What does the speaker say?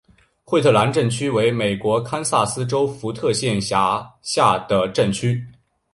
惠特兰镇区为美国堪萨斯州福特县辖下的镇区。